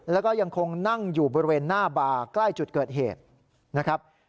แล้วก็ยังคงนั่งอยู่บริเวณหน้าบาร์ใกล้จุดเกิดเหตุนะครับ